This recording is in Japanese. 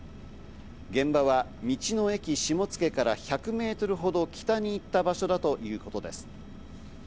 現場は「道の駅しもつけ」から１００メートルほど北に行った場所だということです。